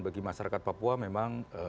bagi masyarakat papua memang tidak terjawab dengan